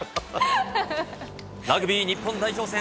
ラグビー日本代表戦。